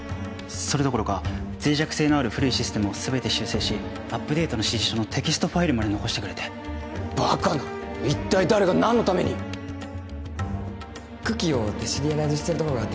それどころか脆弱性のある古いシステムを全て修正しアップデートの指示書のテキストファイルまで残してくれてバカな一体誰が何のためにＣｏｏｋｉｅ をデシリアライズしてるところがあって